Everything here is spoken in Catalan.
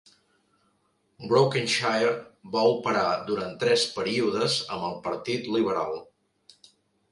Brokenshire va operar durant tres períodes amb el Partit Liberal.